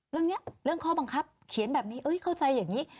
เรื่องนี้เรื่องข้อบังคับเขียนแบบนี้เข้าใจอย่างนี้